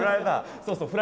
そうそう